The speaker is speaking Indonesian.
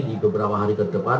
di beberapa hari ke depan